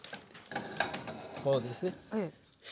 こうですね。